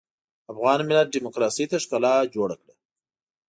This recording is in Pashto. افغان ملت ډيموکراسۍ ته ښکلا جوړه کړه.